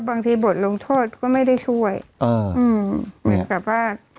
บทลงโทษก็ไม่ได้ช่วยอ่าอืมเหมือนกับว่า